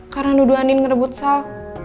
karena duduk andin ngerebut sal